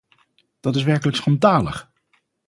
Dat is werkelijk schandalig!